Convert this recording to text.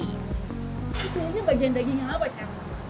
ini bagian dagingnya apa chef